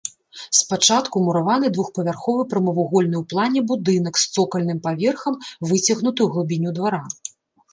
Спачатку мураваны двухпавярховы прамавугольны ў плане будынак з цокальным паверхам, выцягнуты ў глыбіню двара.